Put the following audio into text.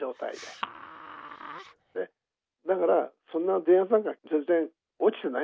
だからそんな電圧なんか全然落ちてないです。